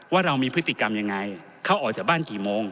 ว่าเรามีพฤติกรรมยังไงเขาออกจากบ้านกี่โมง